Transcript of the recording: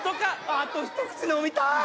あと一口飲みたい！